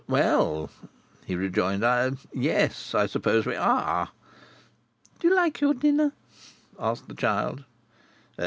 "Well," he rejoined, "I—yes, I suppose we are." "Do you like your dinner?" asked the child.